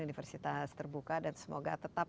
universitas terbuka dan semoga tetap